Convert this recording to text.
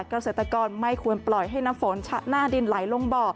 เกษตรกรไม่ควรปล่อยให้น้ำฝนชะหน้าดินไหลลงบ่อ